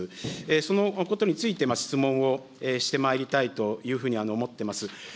そのことについて質問をしてまいりたいというふうに思ってます。